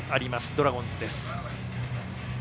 ドラゴンズです。